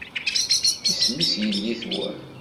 Isem-is yelli-twen?